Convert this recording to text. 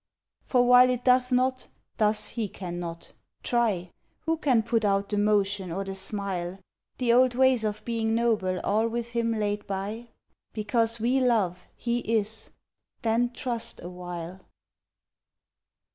For while it doth not, thus he cannot. Try! Who can put out the motion or the smile? The old ways of being noble all with him laid by? Because we love, he is. Then trust awhile.